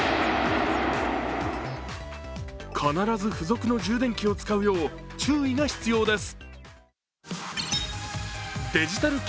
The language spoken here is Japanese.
必ず附属の充電器を使うよう注意が必要です。